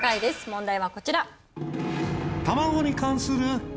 問題はこちら。